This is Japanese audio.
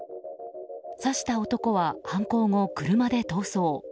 刺した男は犯行後、車で逃走。